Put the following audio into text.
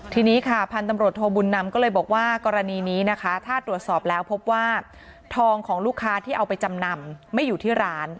ทีนี้ค่ะพันธุ์ตำรวจโทบุญนำก็เลยบอกว่ากรณีนี้นะคะถ้าตรวจสอบแล้วพบว่าทองของลูกค้าที่เอาไปจำนำไม่อยู่ที่ร้าน